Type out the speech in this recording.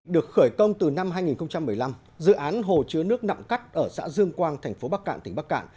được khởi công từ năm hai nghìn một mươi năm dự án hồ chứa nước nặng cắt ở xã dương quang thành phố bắc cạn tỉnh bắc cạn